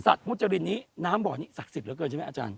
มุจรินนี้น้ำบ่อนี้ศักดิ์สิทธิเหลือเกินใช่ไหมอาจารย์